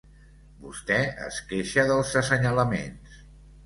Vostè es queixa dels assenyalaments.